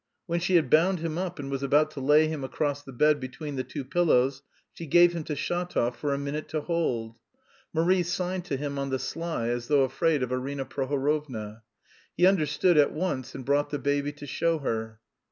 When she had bound him up and was about to lay him across the bed between the two pillows, she gave him to Shatov for a minute to hold. Marie signed to him on the sly as though afraid of Arina Prohorovna. He understood at once and brought the baby to show her.